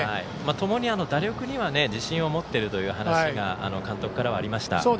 ともに打力には自信を持っているという話が監督からありました。